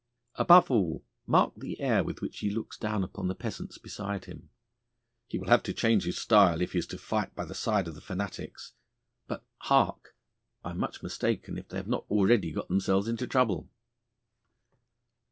Above all, mark the air with which he looks down upon the peasants beside him. He will have to change his style if he is to fight by the side of the fanatics. But hark! I am much mistaken if they have not already got themselves into trouble.